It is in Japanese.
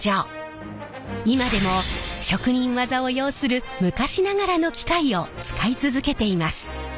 今でも職人技を要する昔ながらの機械を使い続けています。